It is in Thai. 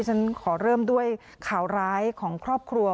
ฉันขอเริ่มด้วยข่าวร้ายของครอบครัว